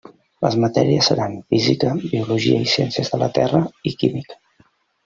Les matèries seran Física, Biologia i Ciències de la Terra, i Química.